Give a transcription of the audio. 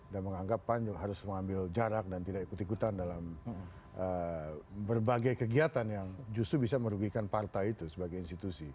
dan menganggap pan harus mengambil jarak dan tidak ikut ikutan dalam berbagai kegiatan yang justru bisa merugikan partai itu sebagai institusi